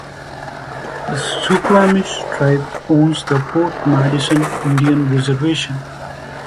The Suquamish Tribe owns the Port Madison Indian Reservation.